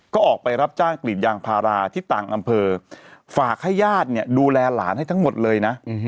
ก็ออกไปรับจ้างกรีดยางพาราที่ต่างอำเภอฝากให้ญาติเนี่ยดูแลหลานให้ทั้งหมดเลยนะ